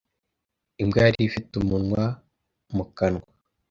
Imbwa yari ifite umunwa mu kanwa.